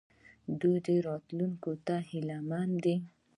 دوی راتلونکي ته هیله مند دي.